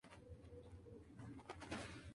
Actualmente dirige a Cúcuta Deportivo de Colombia.